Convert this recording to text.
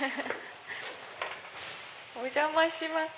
お邪魔します！